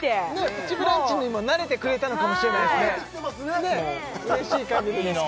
「プチブランチ」にも慣れてくれたのかもしれないですね覚えてきてますね